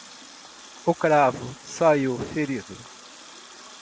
O cravo saiu ferido.